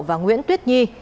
và nguyễn tuyết nhi